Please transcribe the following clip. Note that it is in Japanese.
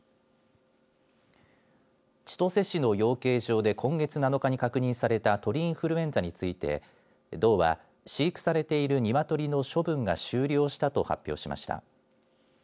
千歳市の養鶏場で今月７日に確認された鳥インフルエンザについて道は飼育されている鶏の処分が終了したと発表しました。